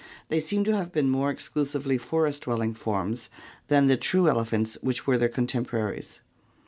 They seem to have been more exclusively forest dwelling forms than the true elephants which were their contemporaries.